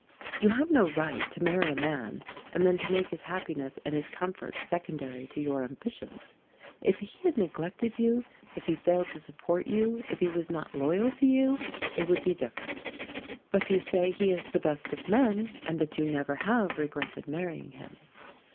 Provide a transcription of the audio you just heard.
You have no right to marry a man and then to make his happiness and his comfort secondary to your ambitions. If he had neglected you, if he failed to support you, if he was not loyal to you, it would be different. But you say he is "the best of men," and that you never have regretted marrying him.